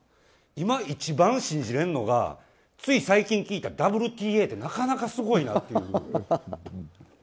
今一番信じられるのがつい最近聞いたＷＴＡってなかなか、すごいなという。